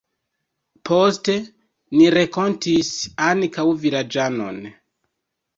Poste ni renkontis ankaŭ vilaĝanon.